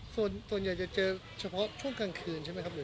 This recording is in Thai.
ส่วนใหญ่จะเจอเฉพาะช่วงกลางคืนใช่ไหมครับ